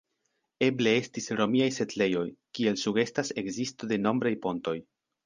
Eble estis romiaj setlejoj, kiel sugestas ekzisto de nombraj pontoj.